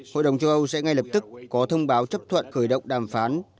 hội đồng châu âu sẽ ngay lập tức có thông báo chấp thuận khởi động đàm phán